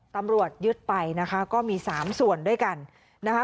ตำรวจยึดไปนะคะก็มีสามส่วนด้วยกันนะคะ